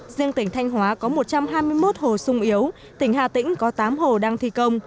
riêng tỉnh thanh hóa có một trăm hai mươi một hồ sung yếu tỉnh hà tĩnh có tám hồ đang thi công